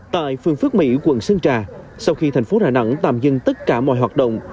tại phương phức mỹ quận sơn trà sau khi thành phố đà nẵng tạm dân tất cả mọi hoạt động